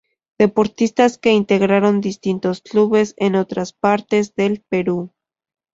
Deportistas que integraron distintos clubes en otras partes del Perú.